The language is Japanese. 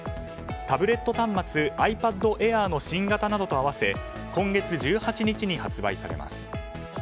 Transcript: タブレット端末ｉＰａｄＡｉｒの新型などと併せ今月１８日に発売されます。